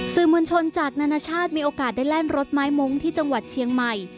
สื่อมวลชนจากนานาชาติมีโอกาสได้แล่นรถไม้มุ้งที่จังหวัดเชียงใหม่